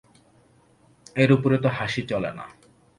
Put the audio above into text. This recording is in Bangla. এর উপরে তো হাসি চলে না।